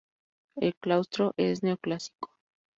El claustro es neoclásico.